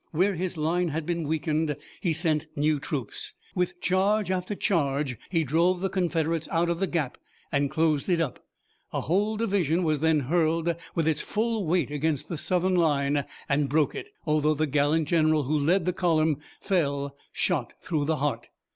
Where his line had been weakened he sent new troops. With charge after charge he drove the Confederates out of the gap and closed it up. A whole division was then hurled with its full weight against the Southern line and broke it, although the gallant general who led the column fell shot through the heart.